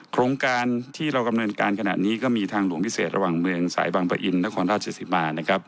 โครงการที่เราดำเนินการขณะนี้ก็มีทางหลวงพิเศษระหว่างเมืองสายบางปะอินนครราชสิมานะครับ